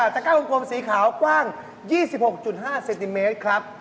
ตะก้ากลมสีขาวกว้าง๒๖๕เซนติเมตรครับ